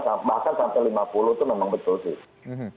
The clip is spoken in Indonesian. jadi bisa ada yang bahkan sampai lima puluh itu memang betul sih